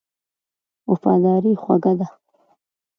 وفاداري خوږه ده.